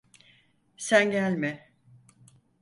Sen gelme!